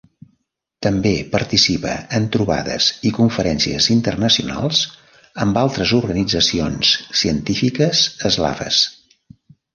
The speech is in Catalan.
També participa en trobades i conferències internacionals amb altres organitzacions científiques eslaves.